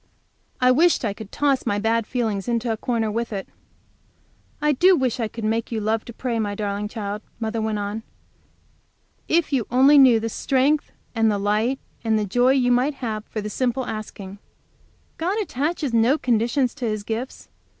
I wished I could toss my bad feelings into a corner with it. "I do wish I could make you love to pray, my darling child," mother went on. "If you only knew the strength, and the light, and the joy you might have for the simple asking. God attaches no conditions to His gifts.